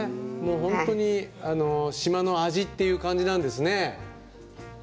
本当に島の味っていう感じなんですね。